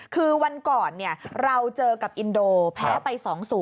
คือวันก่อนเราเจอกับอินโดแพ้ไป๒๐